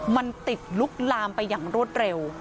มันติดลุกลามไปอย่างรวดเร็ว